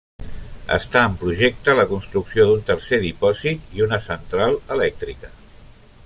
Està en projecte la construcció d'un tercer dipòsit i una central elèctrica.